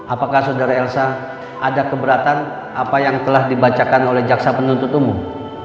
apakah saudara elsa ada keberatan apa yang telah dibacakan oleh jaksa penuntut umum